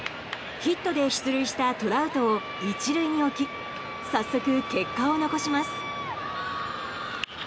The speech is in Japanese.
ヒットで出塁したトラウトを１塁に置き早速、結果を残します。